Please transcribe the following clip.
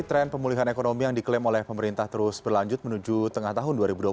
tren pemulihan ekonomi yang diklaim oleh pemerintah terus berlanjut menuju tengah tahun dua ribu dua puluh satu